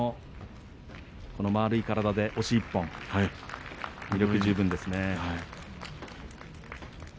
丸い体で押し一本魅力十分ですね。